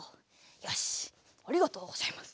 よしありがとうございます。